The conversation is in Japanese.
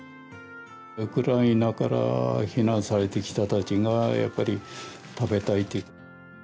ウクライナから避難されてきた方たちが、やっぱり食べたいって。